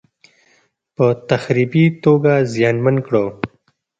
په تخریبي توګه زیانمن کړ.